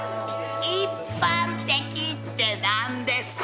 一般的って何ですか？